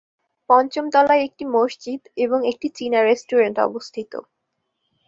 পঞ্চম তলায় একটি মসজিদ এবং একটি চীনা রেস্টুরেন্ট অবস্থিত।